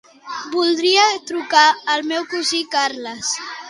Voldria trucar al meu cosí Carles.